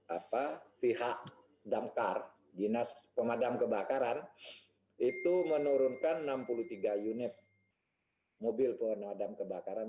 apa pihak damkar dinas pemadam kebakaran itu menurunkan enam puluh tiga unit mobil pemadam kebakaran